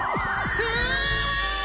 うわ！